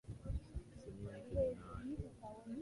Simiyu si kijana wake